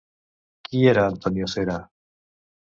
Qui era Antonio Cera?